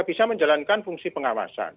bisa menjalankan fungsi pengawasan